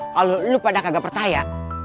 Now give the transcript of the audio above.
kalau lu pada kagak percaya